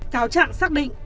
cáo trạng xác định